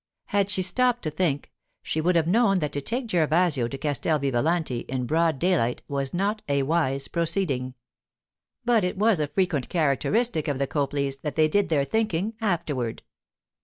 Had she stopped to think, she would have known that to take Gervasio to Castel Vivalanti in broad daylight was not a wise proceeding. But it was a frequent characteristic of the Copleys that they did their thinking afterward.